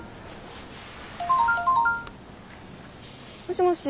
もしもし。